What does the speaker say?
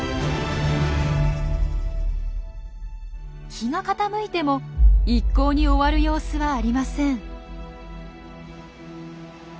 日が傾いても一向に終わる様子はありません。